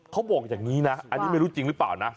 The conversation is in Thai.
เขาบอกอย่างนี้นะอันนี้ไม่รู้จริงหรือเปล่านะ